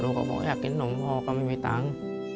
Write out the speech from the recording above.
ลูกก็บอกอยากกินหนุ่มพ่อก็ไม่มีตังค์